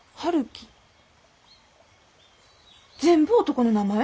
全部男の名前？